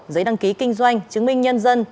giấy đăng ký kinh doanh chứng minh nhân dân